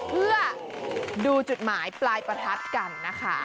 เพื่อดูจุดหมายปลายประทัดกันนะคะ